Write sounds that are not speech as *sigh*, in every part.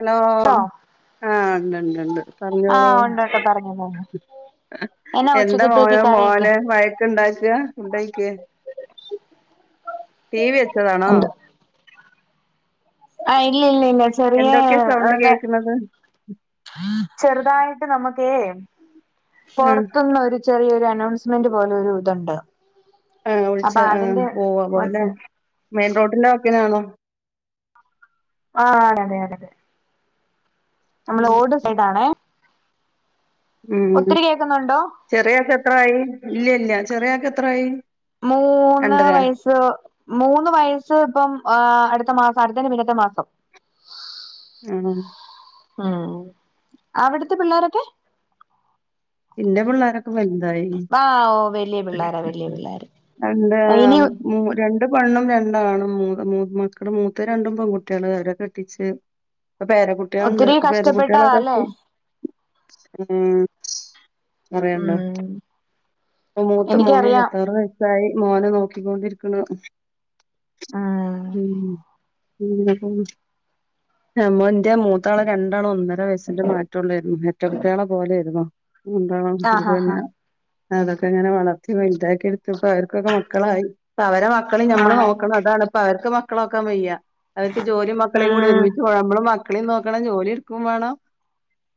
Hello, ട്ടോ ആഹ് ഉണ്ട് ണ്ട് ണ്ട് പറഞ്ഞോളൂ. ആഹ് ഉണ്ടണ്ട് പറഞ്ഞോ പറഞ്ഞോ എന്നാ എന്താ മോന ഉച്ചക്കത്തേക്ക് കറിയൊക്കെ മോനെ വയ ഉണ്ടാക്കുക *unintelligible* ടി വി വെച്ചതാണോ? ഉണ്ട് ആഹ് ഇല്ലി ല്ലി ല്ല ചെറിയ എന്തൊക്കെ സൗണ്ട് എന്താ, കേൾക്കുന്നത് ചെറുതായിട്ട് നമുക്കേ ആഹ് പുറത്തുന്നൊരു ചെറിയൊരു അനൗൺസ്മെന്റ് പോലെ ഒരു ഇതുണ്ട്. ആ അപ്പൊ വിളിച്ചു ആ അതിന്റെ പോവോല്ലേ. കൊച്ച് മെയിൻ റോട്ടിന്റാ വക്കിനാണോ? ആഹ് അതെ അതെ. നമ്മള് ഉം റോട് സൈഡ ആണെ. ഉം കേക്കുന്നുണ്ടോ ചെറിയ ആക്ക് എത്ര ആയി? ഇല്ലില്ല ചെറിയ ആക്ക് എത്ര ആയി? മൂന്ന് വയസ്. മൂന്ന് വയസ്സ് ഇപ്പം ആ അട്ത്ത മാസം അട്ത്തല്ല പിന്നത്തെ മാസം. ആഹ്. ഉം അവ്ട്‌ത്തെ പിള്ളേരൊക്കെ? ഇന്റെ പിള്ളേരൊക്കെ വൽതായിനി ആഹ് ഓ വലിയ പിള്ളോര വലിയ പിള്ളേര് എന്താ ഇനി മൂ രണ്ട് പെണ്ണും രണ്ടാണും മൂ മൂ മക്കള് മൂത്ത രണ്ടും പെൺകുട്ടികള് അവരെ കെട്ടിച്ച് ഇപ്പ പേര കുട്ട്യള്ണ്ട് ഒത്തിരി പേര കഷ്ടപ്പെട്ടതാ കുട്ട്യാളൊക്കെ അല്ലേ ഉ പറ്യാണ്ടോ ഉം പ്പംമൂത്ത മോന്‌ എനിക്കറിയാം ഇരത്താറ്‌ വയസാ സായി മോനെ നോക്കിക്കൊണ്ടിരിക്ക്ണ് ഉം. ഉം അതന്നെ. നമ്മ ഇന്റെ മൂത്താളേ രണ്ടാളും ഒന്നര വയസിന്റെ മാറ്റള്ളാര്ന്നു എര്റ്റ കുട്ട്യളെ പോലെര്ന്നു. ആഹ് ഹാ ഹാ *unintelligible* അതൊക്കെ ഇങ്ങനെ വളർത്തി വല്താക്കി എട്ത്തപ്പൊ അവർക്കൊക്കെ മക്കളായി ഇപ്പ വരെ മ മക്കളിം നമ്മള് ആഹ് നോക്കണം അതാണ് ഇപ്പ അവർക്ക് മക്കള നോക്കാൻ വയ്യാ അവർക്ക് ജോലി മക്കളേം കൂടി ഉം ഒരുമിച്ച് പോ നമ്മള് മക്ക മക്ക്ളിം നോക്കണം ജോലി ഇട്ക്കും വേണം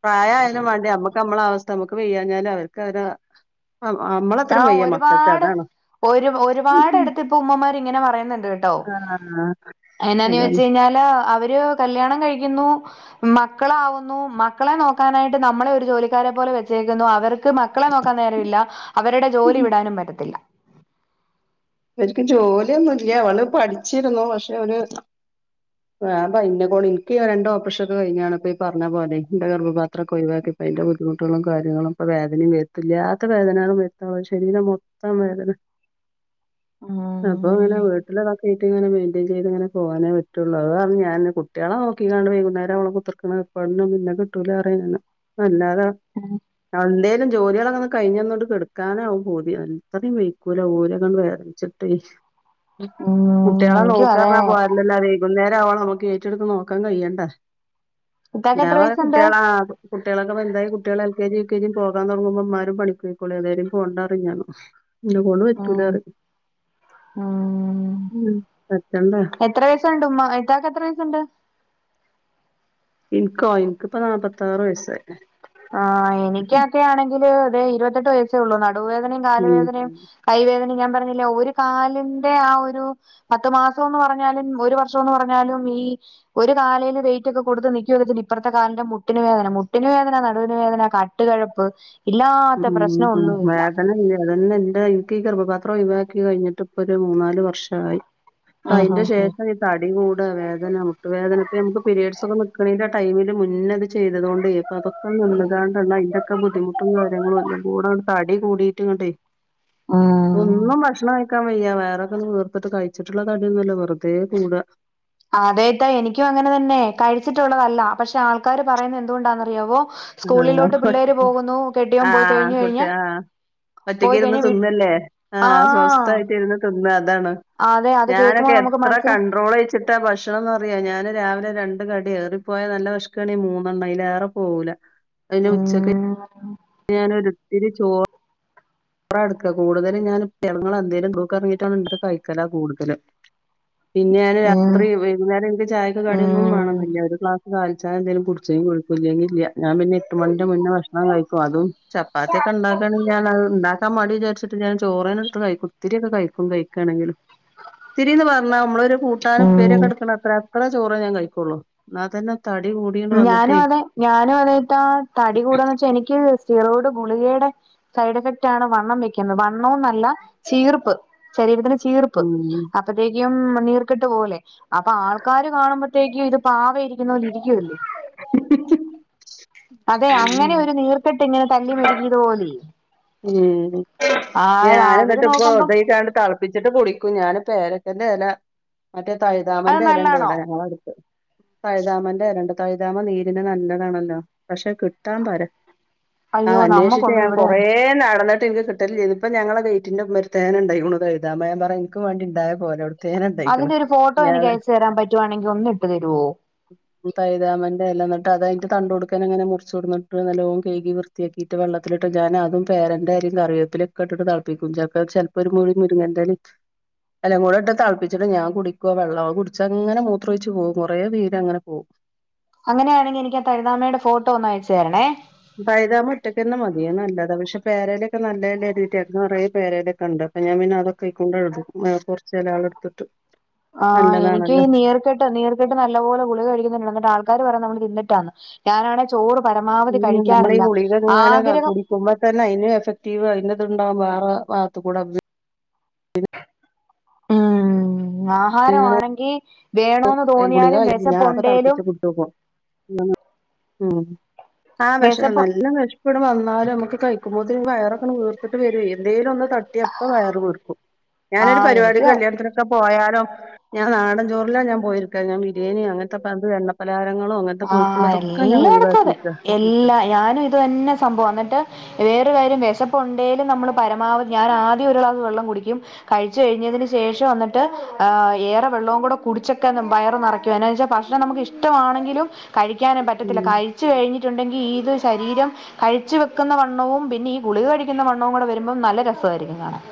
പ്രായായാലും വാണ്ടേ നമ്മക്ക് നമ്മളവസ്ഥ പ്പമ്മക്ക് വെയ്യാഞ്ഞാല് അവർക്കൊര് അമ്മളത്രിം വെയ്യ മക്കക്ക് അതാണ്. ഒര് ഒരുപാട് എട്ത്ത് ഇപ്പ ഉമ്മമാർ ഇങ്ങനെ പറയ്ന്ന്ണ്ട്ട്ടോ ആഹ് എന്നാന്ന് അതാണ് വെച്ച് കയ്ഞ്ഞാൽ ല്ല അവര് കല്യാണം കഴിക്യുന്നു. മക്കളാവുന്നു മക്കളെ നോക്കാനായിട്ട് നമ്മളെ ഒരു ജോലിക്കാരെ പോലെ വെച്ചേക്കുന്നു അവർ ക്ക് മക്കളെ നോക്കാൻ നേരമില്ല അവരുടെ ജോലി വിടാനും പറ്റത്തില്ല. അവർക്ക് ജോലിയൊന്നുംല്ല അവള് പഠിച്ചിരുന്നു പക്ഷെ അവര് ആ ഞാപറിം ന്നെ കൊണ്ട് ഇൻക്ക് രണ്ട് ഓപ്രഷൊക്കെ കഴിഞ്ഞാണപ്പോ ഈ പർഞ്ഞ പോലെ ന്റെ ഗർഭപാത്രൊക്കെ ഒഴവാക്കി അയ്ന്റ ബുദ്ധിമുട്ടുകളും കാര്യങ്ങളും ഇപ്പ വേദനിം വര്ത്തും ല്ല്യാത്ത വേദനകളുംവര്ത്താവാ ശരീംരംമൊത്തം വേദനെ അപ്പൊ ഇങ്ങനെ ഉം വീട്ടിലൊക്കെ ആക്കീട്ടിങ്ങനെ മെയ്ന്റെയ്ൻ ചെയ്ത്ങ്ങനെ പോവാനേ പറ്റുള്ളൂ അത് പറിം ഞാന് കുട്ട്യളെ നോക്കിക്കാണ്ട് വൈകുന്നേരം അവോളം കുത്തർക്ക്ന്നഎർപ്പാടിനൊന്നും ഇന്നെ കിട്ടൂല പറിം ഞാന് അല്ലാതെ. എന്തേലും ജോല്യളൊക്കൊന്ന് കഴ്ഞ്ഞൊന്ന്ട്ട് കെട്ക്കാനാവും പൂതി അത്രയും വയ്ക്കൂല ഊര വേദൻച്ചിട്ടെ ഉം കുട്ട്യളെ എനിക്കും നോക്കാർ അതെ ഞ്ഞ പോരല്ലോ വൈ ക്കുന്നേരം ആവോളം നമ്ക്ക് ഏറ്റെ ട്‌ നോക്കാൻ കയ്യണ്ടേ ഇത്താക്ക് ഞാൻ എത്ര വേറെ വയസുണ്ട് കുട്ട്യാളാ കുട്ട്യാളൊക്കെ വൽതായി കുട്ട്യാള് L K G U K G പോവാൻ തൊട്‌ങ്ങുമ്പോ മ്മാരും പണിക്കോയ്ക്കോളി അല്ലാതെ പോണ്ടാറിം ഞാൻ. ഇന്നേ കൊണ്ട് ഉം പറ്റൂലറിം മ് പറ്റണ്ടേ. എത്രാസുണ്ട് ഉമ്മാ ഇത്താക്ക് എത്ര സുണ്ട്? ഇൻക്കോ ഇൻക്കിപ്പോ നാല്പത്താറ് വയസ്സായിണ്. ആ എനിക്കൊക്കെയാണെങ്കില് അത ഇരുപത്തെട്ട് വയസെയൊള്ളൂ നടുവേദനയും ഉം കാലുവേദനയും കൈവേദന ഞാൻ പർഞ്ഞില്ലേ ഒരു കാലിന്റെ ആ ഒരു പത്ത് മാസോന്ന്പർഞ്ഞാലും ഒരു വർഷോന്ന് പർഞ്ഞാലും ഈ ഒരു കാലേന് വൈറ്റ് ഒക്കെ കൊടുത്ത് നിക്കുവാ ഇപ്പർത്തെ കാലിന്റെ മുട്ടിന് വേദന മുട്ട് ട്ടിന് വേദന നടുവിന്, വേദന കാട്ടുകഴപ്പ്, ഇല്ലാത്ത ഉം പ്രശ്നം ഉം ഒന്നുല്ല. വേദന ഇല്ല അതന്നെ എന്റെ ഇൻക്ക് ഈ ഗർഭപാത്രം ഒഴിവാക്കി കയ്ഞ്ഞ്ട്ട് ഇപ്പൊ ഒരു മൂന്നാല് വർഷായി. ആഹ് അയ്ന്റെ ആഹ് ആഹ് ശേഷം തടി കൂടാ വേദന മുട്ടുവേദന ഇപ്പ നമ്മക്ക് പിരീഡ്സ് ഒക്കെ നിക്ക് ണേന്റെ ടൈമില് മുന്നത് ചെയ്തതോണ്ടെ ഇപ്പതൊ ക്കെ നിന്ന്കാണ്ടതാ അയ്ന്റോക്കെ ബുദ്ധിമുട്ടും കാര്യങ്ങളും എല്ലാം കൂടെ തടി കൂടീട്ടേങ്ങട്ടെ ആഹ് ഒന്നും ഭക്ഷണ്ക ക്കാൻ വയ്യ വേറോക്കെ തീർത്തിട്ട് കഴിച്ച്ട്ട്ള്ള തടിയോന്നല്ല വെറ്തെ കൂടാ. അതെ ഇത്ത എനിക്കും അങ്ങനെ തന്നെ കഴിച്ചിട്ടുള്ളതല്ല പക്ഷെ ആൾ ക്കാര് പറയുന്നത് എന്തുകൊണ്ടാന്നറിയാവോ ആഹ് സ്കൂളിലോട്ട് പിള്ളേര് പോകുന്നു കെട്ടിയോൻ പോയ് കഴിഞ്ഞു കഴിഞ്ഞ ഒറ്റക്കിരുന്ന് തിന്നല്ലേ ആ ആഹ് സ്വസ്ഥായിട്ട് ഇര്ന്ന് തിന്നാ അതാണ്. അതെ അത് കേൾക്കുമ്പോ ഞാനൊക്കെ നമുക്ക് എത്ര മനസ്സിന് കണ്ട്രോളയ്ച്ച് ട്ട് ഭക്ഷണംന്ന്അറ്യാ ഞാൻ രാവില രണ്ട് കടി ഏറിപ്പോയാൽ നല്ല വെ ശ്കാണെങ്കി മൂന്നണ്ണം എറെ പോവൂല അത്ഞ്ഞ് ഉച്ചക്ക് ഉം *inaudible* ഞാൻ ഒരിത്തിരി ച്ചോ *unintelligible* എടുക്കുക കൂടുതൽ ഞാൻ പിളങ്ങൾ എന്തേലും *unintelligible* ആണ് *unintelligible* കൂടുതലും. പിന്നെ ഞാന് ഉം രാത്രി വൈകുനേരം. ചായക്കാടിയൊന്നും ഉം വേണംന്നില്ല ഒരു ക്ലാസ് കാലി ചായ എന്തേിലും കുടിച്ചെങ്കി കുടിച്ച് ഇല്ലങ്കി ഇല്ല ഞാ പിന്ന എട്ടുമണിന്റെ മുന്നേ ഭക്ഷണം കഴിക്കും അതും ചപ്പാത്തി ഒക്കെ ഉണ്ടാക്കുകആണെങ്കിൽഞൻ അത് ണ്ടാക്കി. ആ മടി വിചരിച്ചിട്ട് ഞൻ ചേറനെ ഇട്ത് കിയിക്കും ഒത്തിരിയക്കെ കഴിക്കും കഴിക്കുകയാണെങ്കിൽ. ഇതിരിന്ന് പറഞ്ഞ നമ്മളൊ ഒരു കൂട്ടാനും ഉം ഉപേരിയോക്കെടുക്കണത്ര അത്ര ചോറെ ഞാൻ കഴിക്കുള്ളൂ ന്നാ തന്നെ. തടികൂടി ഞാനും അതെ ഞാനും അതായിട്ടാ തടി കൂടന്ന് വെച്ചാ എനിക്ക്. ചീറോട് ഗുളികയുടെ സൈഡ് എഫക്റ്റ് ആണ് വണ്ണം വെക്കുന്നത് വണ്ണവുംന്നല്ല ചീർപ്പ്. ശരീരത്തിന് ചീർപ്പ് ഉം അ അപ്പഴത്തേക്കും നീർക്കിട്ട് പോലെ അപ്പൊ ആൾക്കാര് കാണുമ്പോഴത്തേക്കും ഇത് പാവ ഇരിക്കുന്ന പോല ഇരിക്കുവല്ലേ. *unintelligible* അതെ അങ്ങനെ ഒരു നീർക്കെട്ട് ഇങ്ങനെ തല്ലി മെഴുകിയത് പോലെ ഉം ആ ഞാൻ അവര് എന്നിട്ട് ഇപ്പ നോക്കുമ്പം ഉതയിക്കണ്ട താളപ്പ പ്പിച്ചിട്ട് കുളിക്കൂ ഞാൻ പേരക്കന്റെ ഇല മറ്റേ അത് തൈതാമന്റെ ഇല ഉണ്ട് നല്ലാണോ ഇവിടെ ഞങ്ങൾ അടുത്ത്. തഴുതാമന്റെ രണ്ട് തഴുതാമൻ നീരിന് നല്ലതാണല്ലോ പക്ഷെ കിട്ടാൻ പരാ അയ്യോ ആഹ് അന്വേഷിച്ച നമ്മുക്കൊന്നും ഞാൻ പോ ഇവിടെ ഏഹ് നടന്നിട്ട് എനിക്ക് കിട്ടില്ല ചെയ്യുന്നു ഇപ്പ ഞങ്ങളുടെ ഗയിറ്റിന്റെ വരുേ ഉണ്ടയ്ക്ണ് തഴുതാമയാ പറ എനിക്ക് വേണ്ടിണ്ടായ പോലെ. അതിന്റെ ഒരു ഫോട്ടോ എനിക്ക് അയച്ചു തരാൻ പറ്റുവാണെങ്കിൽ ഒന്ന് ഇട്ട് തരുവോ? *inaudible* തൈതാമന്റെ ഇല എന്നിട്ട് അതിന്റെ തണ്ട് ഓടുക്കാൻങ്ങനെ മുറിച്ചു കൊടന്നിട്ട് നിലവും കഴുകി വൃത്തിയാക്കിയിട്ട് വെള്ളത്തിലിട്ട്. ഞാൻ അതും പേരന്റെയലയും കറിവപ്പിലക്കെ ഇട്ടിട്ട് തളപ്പിക്കും ച ചിലപ്പോൊ ഒരു മി മുരുങ്ങ എലയും. എല്ലാം കൂടി ഇട്ട് തിളപ്പിച്ചിട്ട് ഞാൻ കുടിക്കുവ വെള്ളം കുടിച്ച് അങ്ങെ മൂത്രോഒഴിച്ച് പോകവും കുറേ വീര് അങ്ങനെ പോകും അങ്ങനെയാണെങ്കിൽ എനിക്ക് തഴതാമയുടെ ഫോട്ടോ ഒന്ന അയച്ച് തരണേ തൈതാമ മുറ്റയ്ക്കന്ന മതിയാണ് നല്ലാതാ പക്ഷേ പരേലൊക്കെ നല്ല തീറ്റന്ന് പറ പേരലൊക്കെ ഉണ്ട് ഞാൻ പിന്നെ അതൊക്കെ ആയി കൊണ്ട്ഴുതും കുറച്ച ആൾ എടുത്തിട്ട് ആഹ് എനിക്ക് ഈ നല്ലതാണല്ലോ നീർക്കെട്ട് നീർകെട്ട് നല്ലപോലെ ഗുളിക കഴിക്കുന്നുണ്ട എന്നിട്ട് ആൾക്കാര് പറയാ നമ്മള് തിന്നിട്ടാന്ന് ഞാനാണെ ചോറ് പരമാവധി ഉം നമ്മളീ കഴിക്കാറില്ല ഗുളിക ഇങ്ങനെ ആഗ്രഹം *unintelligible* തന്നെ അതിനും എഫക്റ്റീവ് അതിന്തുണ്ടാവും വേറെ ഭാഗത്ത് കൂടെ ആഹാരമാണെങ്കിൽ വേണോന്ന് തോന്നിയാലും വിശപ്പുണ്ടേലും *unintelligible* ആഹ് വിഷ വെശപ്പ് നല്ല വിഷ ഇവിടെ വന്നാലും നമ്മുക്ക് കഴിക്കുമ്പോ വയറൊക്കെ വീർത്തിട്ട് വര എന്തെങ്കലും ഒന്ന് തട്ടിയ അപ്പ വയർ വീർക്കും ഞാനൊരു ആഹ് പരിപാടി എനിക്ക് കല്യാണത്തിനൊക്കെ പോയാലോ ഞാൻ നാടൻ ചോറ് എല്ലാം ഞാൻ പോയിരിക്ക ഞാൻ ബിരിയാണി അങ്ങനത്തെ പലഹാരങ്ങളോ അങ്ങനത്തെ ആഹ് കൊഴപ്പുള്ളതൊക്കെ ഞാൻ എല്ലായിടത്തും അതെ ഒഴിവാക്കിയിട്ട് എല്ലാ ഞാനും ഇത് തന്നെ സംഭവം എന്നിട്ട് വേറൊരു കാര്യം വിശപ്പ് ഉണ്ടെലും നമ്മള് പരമാവധി ഞാൻ ആദ്യം ഒരു ഗ്ലാസ് വെള്ളം കുടിക്കും കഴിച്ചു കഴിഞ്ഞതിന് ശേഷം എന്നിട്ട് ഏറെ വെള്ളവും കൂടെ കുടിച്ചക്കെ വയറ് നിറയ്ക്കും എന്ന വെച്ചാൽഭക്ഷ നമുക്ക്ഷ്ടമാണെങ്കിലും കഴിക്കാനും ഉം പറ്റത്തില്ല കഴിച്ചു കഴിഞ്ഞിട്ടുണ്ടെങ്കിൽ ഇത് ശരീരം കഴിച്ചു വെക്കുന്ന വണ്ണവും പിന്നെ ഈ ഗുളിക കഴിക്കുന്ന വണ്ണവും കൂടെ വരുമ്പം നല്ല രസമായിരിക്കും കാണാൻ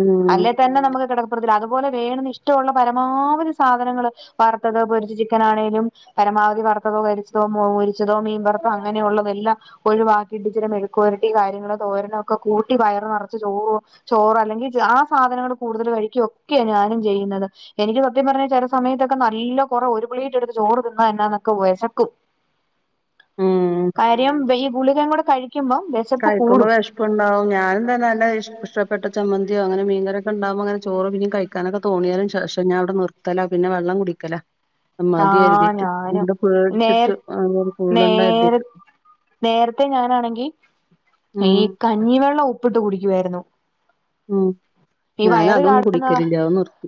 ഉം അല്ലേ തന്നെ നമുക്ക് കിടപ്പുറത്തി അതുപോലെ വേണ ഇഷ്ടമുള്ള പരമാവധി സാധനങ്ങള് വറുത്തത് പൊരിച്ച ചിക്കൻ ആണെങ്കലും പരമാവധി വറത്ത കരിച്ചതോ മുളക്പൊരിച്ചതോ മീൻ വറത്തോ അങ്ങനെയുള്ളതെല്ലാം ഒഴിവാക്കിട്ട് ചില മെഴുക്കുരട്ടി കാര്യങ്ങൾ തോരന ഒക്കെ കൂട്ടി വയർ നിറച്ച് ചോറ് ചോറ് അല്ലെങ്കിൽ ആ സാധനങ്ങൾ കൂടുതൽ കഴിക്കുക ഒക്കെയ ഞാനും ചെയ്യുന്നത് എനിക്ക് സത്യം പറഞ്ഞ ചില സമയത്തൊക്കെ നല്ല കുറ ഒരുപ്ലേറ്റ് എടുത്ത് ചോറ് തിന്നാ എന്നാ വിശക്കും ഉം കാര്യംഇ ഗുളിക കൂടെ കഴിക്കുമ്പോ കഴികുമ്പോ വിശ വിശപ്പ് ഉണ്ടാവും ഞാനും തന്നെല്ല ഇഷ്ടപെട്ട ചമ്മന്തിയോ അങ്ങനെ മീൻ കറിയൊക്കെ ഉണ്ടാവ അങ്ങന ചോ പിന്ന കഴിക്ക കഴിക്കാനൊക്കെ തോന്നിയാലും ശേഷം ഞാൻ അവിടെ നിർത്തല പിന്നെ വെള്ളം കുടിക്കല മതി ആഹ് എഴുതിയിട്ട് ഞാനും ഉണ്ട് നേര പേടിച്ചിട്ട് ആ കൂടണ്ട നേര കരുതിട്ട് നേരത്തെ ഞാനാണെങ്കിൽ ഈ ഉം കഞ്ഞിവെള്ളം ഉപ്പിട്ട് കുടിക്കുവായിരുന്നു ഉം ഈ ഞാന വയറ് തൊന്നും ചാടുന്ന കുടിക്കലില്ല അവു നിർത്തി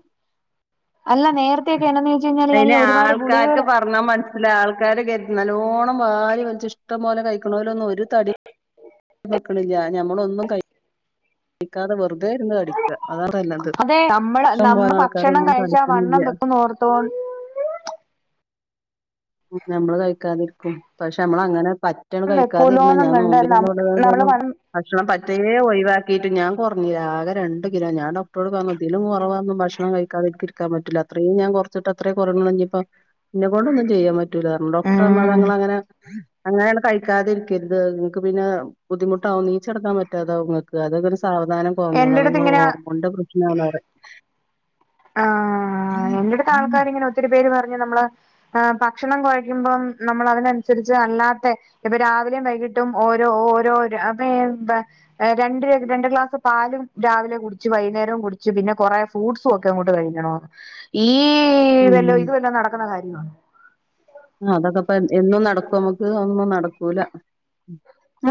അല്ല നേരത്തെെയൊക്കൊണന്ന് ചോച്ചച്ച് കഴിഞ്ഞാ അയിന് ഞാ ഒരുപാട് ആൾക്കാർക്ക് ഗുളികേള് പറഞ്ഞാ മനസ്സില ആൾക്കാര് കരുതു നല്ലോണം വാരി വലിച്ച്ഇഷ്ടം പോലെ കഴിക്കണോല് ഒരു തടി *inaudible* വെക്കണില്ല ഞമ്മളൊന്നും ക കഴിക്കാതെ വെറുതെ ഇരുന്നു തടിക്കുക അതാണ് അതെ നമ്മള് നമ്മൾ ഭക്ഷണം കഴിച്ചാ വണ്ണം തടിക്കണില്ല വെക്കുന്ന ഓർത്തോണ്ട് നമ്മള് കഴിക്കാതിരിക്കും പക്ഷെ നമ്മള അങ്ങനെ പ റ്റാണ് കഴിക്കാതിരുന്ന വെക്കൂലോന്നും ഞാൻ കണ്ട് നോമ്പി നമ്മ നമ്മള് വണ്ണം ഭക്ഷണം പറ്റേ ഒഴിവാക്കിയിട്ട് ഞാൻ കുറഞ്ഞിലാ ആകെ രണ്ട് കിലോ ഞാൻ ഡോക്ടറോട് പറഞ്ഞു ഇതിലും കുറവന്നും ഭക്ഷണം കഴ *unintelligible* ഇരിക്കാൻ പറ്റില്ല അത്ര ഞാ ന്കുറച്ചട്ട് അത്രയും കുറഞ്ഞപ്പ ഇന്നെ കൊണ്ടൊന്നും ചെയ്യാൻ പറ്റൂല കാരണം ഡോക്ടർ അത് ഉം ങ്ങ്ളങ്ങനെ അങ്ങനെ കഴിക്കാതെ ഇരിക്കരുത് നിങ്ങക്ക് പിന്നെ ബുദ്ധിമുട്ടാവും നീച്ചെടുക്കാൻ പറ്റ റ്റതോ വുങ്ങൾക്ക് അതൊക്കെ ഒരു സാവധാനം കുറഞ്ഞേോളൂ അ എന്റെടുത്ത് നിങ്ങള് ഇങ്ങനെ ഓർമോണിൻ്റെപ്രശ്നാന്ന് ആ എന്റെടുത്തെ ആൾക്കാർ ഇങ്ങനെ ഒത്തിരി പേര് പറഞ്ഞ് നമ്മള് ആഹ് ഭക്ഷണം കുഴിക്കുമ്പം നമ്മൾ അതിനനുസരിച്ച് അല്ലാത്തെ ഇപ്പൊ രാവിലി വൈകിട്ടും ഓരോ ഓരോ രണ്ട് ര രണ്ട് ഗ്ലാസ് പാലും രാവിലെ കുടിച്ചു വൈകുന്നേരവും കുടിച്ചു പിന്നെ കുറെ ഫ്രൂട്ട്സ് ഒക്കെ അങ്ങോട്ട് കഴിഞ്ഞണ ഈ വല്ല ഇത് ഉം വെല്ലാം നടക്കുന്ന കാര്യമാണോ ആ അതൊക്കെ ഇപ്പ എന്നും നടക്കും നമ്മുക്ക് ഒന്നും നടക്കൂല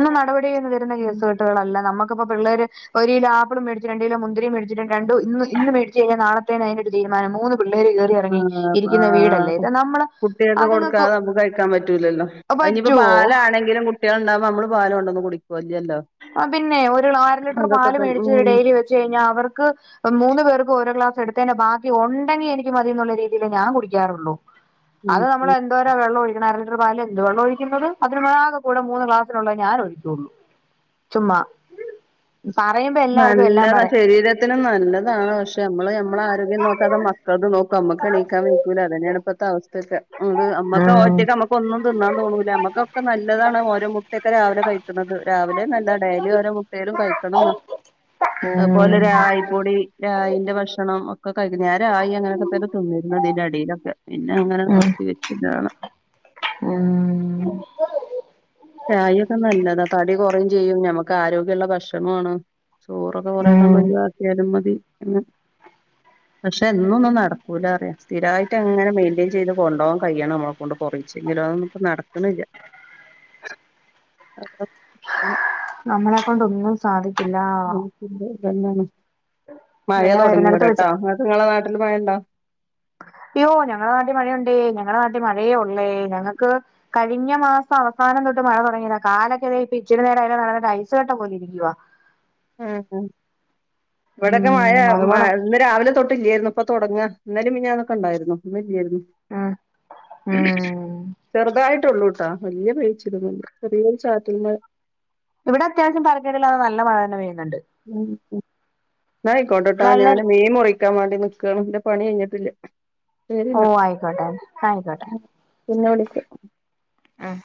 പ്പം നടപടിയിന്ന് വരുന്ന ഉം. കേസുകെട്ടുകളല്ലാ നമ്മക്ക്പ്പോ പിള്ളേര് ഒര് കിലോ ആപ്പളും മേടിച്ച് രണ്ട് കിലോ മുന്തിരിം മേടിച്ചിട്ട് രണ്ടു ഇന്നു ഇന്ന് മേടിച്ച്ഴ്ഞ്ഞാ നാളെത്തേന് അയ്ന്റെ ഒര് തീര്മാനം മൂന്ന് പിള്ളേര് ആ എറങ്ങി ആ ഇരിക്കുന്ന വീടല്ലേ ഇത് നമ്മള് കുട്ട്യോള്ക്ക് അതുങ്ങക്ക് കൊട്ക്കാതെ നമ്മുക്ക് കഴിക്കാൻ പറ്റൂലല്ലോ അഹ്ഞ്ഞിപ്പോ പറ്റുവോ പാലാണെങ്കിലും കുട്ടേള് ഇണ്ടാവ്മ്പോ അമ്മള് പാലൊണ്ടന്ന് കുടിക്കൊ ഇല്ല്യല്ലോ ആ പിന്നെ ഒര് നാര് ലിറ്റർ പാല് മേടിച്ച് ഉം ഡൈലി വെച്ച് കയ്ഞ്ഞാ അവർക്ക് മൂന്ന് പേർക്കും ഓരോ ഗ്ലാസ്‌ എടുത്തേന് ബാക്കി ഒണ്ടെങ്കി എനിക്ക് മതീ ന്നുള്ള രീതില് ഞാൻ കുടിക്കാറോള്ളൂ അത് ഉം നമ്മള് എ തൊരെ വെള്ളം ഒഴിക്കണാര്ന്ന് അര ലിറ്റർ പാല് എന്ത് വെള്ളം ഒഴിക്ക്ന്നത് അതിന് ആകക്കൂടെ മൂന്ന് ഗ്ലാസ്സ്നള്ളത് ഞാന് ഒഴിക്കൊള്ളൂ ചുമ്മാ പറയ്മ്പോ എല്ലാർക്കും എല്ലാം പറയാ ത്തിനും നല്ലതാണ് പക്ഷെ നമ്മള് നമ്മളെ ആരോഗ്യം നോക്കാതെ മക്കൾത് നോക്കും നമ്മക്ക് എണീക്കാൻ വയ്ക്കൂല അതെന്നേണ് ഇപ്പ ത്തെ അവസ്ഥക്ക് നമ്മക്ക് നമ്മക്ക് ഉം ഒറ്റക്ക് ഇക്കോന്നും തിന്നാൻ തോന്നൂല നമ്മക്കൊക്കെ നല്ലതാണ് ഓരോ മുട്ടക്കെ രാവിലെ കഴിക്ക്ന്നത് രാവിലെ നല്ല ഡൈലി ഓരോ മുട്ടേലും കഴിക്കണംന്നാ അഹ്പോലെ ഉം രായി കൂടി രായിന്റെ ഭക്ഷണം ഒക്ക കഴി *unintelligible* ഞാൻ രായി അങ്ങനെ ക്കെ തീന്നിന്ന് ഇതിന്റെ ഇടയിലൊക്കെ പിന്നെ അങ്ങനെ *unintelligible* തിരിച *unintelligible* ഉം രായി ഒക്കെ നല്ലതാ തടി കൊറയും ചെയ്യും ഞമ്മക്ക് ആരോഗ്യള്ള ഭക്ഷണു ആണ് ചോറൊക്കെ കൊറെ കണ്ട് ഉം ഒഴിവാക്കിയാലും മതീ പക്ഷെ എന്നൊന്നും നടക്കൂല്ലറിയാം സ്ഥരമായിട്ട് അങ്ങനെ മെയിൻെയിൻ ചെയ്ത് കൊണ്ടാവാൻ കഴ്ിയണം നമ്മള കൊണ്ട് കുറച്ചെങ്കിലന്നും നട്ക്ക്ന്ന്ല്ലാ *unintelligible* നമ്മളെ കൊണ്ട് ഒന്നും സാധിക്കില്ലാ ഫ്രണ്ടാണ് മഴ പിന്നെ വരുന്നിടത്ത് വെച്ച് തൊടങ്ങിവിടട്ടോങ്ങക്ക് നിങ്ങളെ നാട്ടില് മഴണ്ടോ യ്യോ ഞങ്ങള നാട്ടീ മഴയുണ്ടേ ഞങ്ങള നാട്ടീ മഴയേ ഒള്ളേ ഞങ്ങക്ക് കഴിഞ്ഞ മാസ അവസാനം തൊട്ട് മഴ തൊടങ്ങിയതാ കാലക്കെ വേ ഇപ്പ ഇച്ചിരി നേരം അയ്ലേ നടന്ന്ട്ട് ഐസ് കട്ട പോലെ ഇരിക്യുവാ ഉം ഇവടൊക്കെ മയാ ഉം അതുപോലെ മായണ്ട് രാവിലെ തൊട്ട് ഇല്ലേര്ന്നു ഇപ്പ തൊട്ങ്ങാ ഇന്നലിം മിന്നാന്നൊക്കണ്ടായിര്ന്നു ഇന്ന് ഇല്ലായിര്ന്നു ആഹ് *unintelligible* ചെറുതായിട്ടോള്ളൂട്ടാ വല്യയെ പെയ്ച്ചിലൊന്നും ല്ലാ ചെറിയൊരു ചാറ്റൽ മഴ ഇവടെ അത്യാവശ്യം തെര്ക്കേടില്ലാതെ നല്ല മഴഞ്ഞേ പെയ്യ്ന്ന്ണ്ട് ഉം ന്നാ ആയിക്കോട്ടാട്ടോ നല്ല ഞാന് മീൻ മുറിക്കാൻ വാണ്ടി നിക്കാണ് ന്റെ പണി കയ്ഞ്ഞ്ട്ടില്ലാ ഓ അയ്ക്കോട്ടെ അയിക്കോട്ടെ പിന്നെ വിളിക്ക ഉം